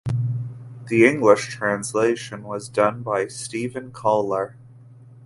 The English translation was done by Stephen Kohler.